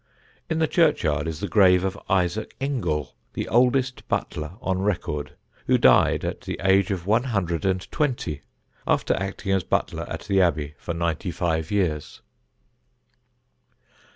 In the churchyard is the grave of Isaac Ingall, the oldest butler on record, who died at the age of one hundred and twenty, after acting as butler at the Abbey for ninety five years.